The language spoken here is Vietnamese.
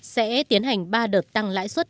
sẽ tiến hành ba đợt tăng lãi suất